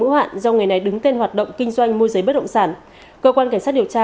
ưu hạn do ngày này đứng tên hoạt động kinh doanh mua giấy bất động sản cơ quan cảnh sát điều tra